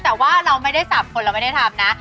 แต่ว่าเราไม่ได้สับคนเราไม่ได้ทำนะ